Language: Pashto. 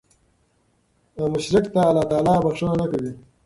مشرک ته الله تعالی بخښنه نه کوي